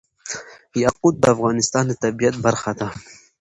یاقوت د افغانستان د طبیعت برخه ده.